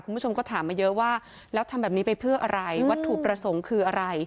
คุณผู้ชมก็ถามมาเยอะว่าแล้วทำแบบนี้ไปเพื่ออะไรวัตถุประสงค์คืออะไร